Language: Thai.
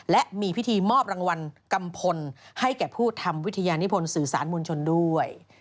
และมีพิธีมอบรางวัลกัมพลให้แก่ผู้ทำวิทยานิพลสื่อสารมวลชนด้วย